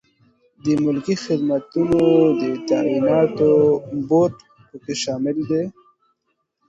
د ملکي خدمتونو د تعیناتو بورد پکې شامل دی.